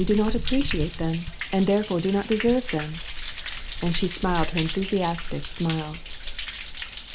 6 joa do not appreciate them, and therefore do not deserve them." And she smiled her enthusiastic smile.